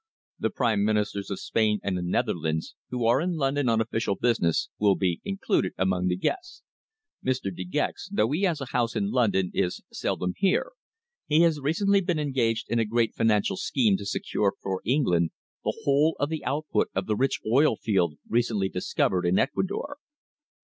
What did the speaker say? The Prime Ministers of Spain and the Netherlands, who are in London on official business, will be included among the guests. Mr. De Gex, though he has a house in London, is seldom here. He has recently been engaged in a great financial scheme to secure for England the whole of the output of the rich oil field recently discovered in Ecuador."